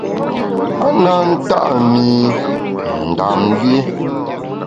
A na nta’ mi Ndam lié.